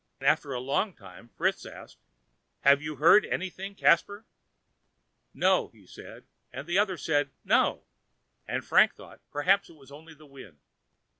After a long time Fritz asked: "Have you heard nothing, Caspar?" "No," said he, and the others also said "no"; and Frank thought, perhaps, it was only the wind.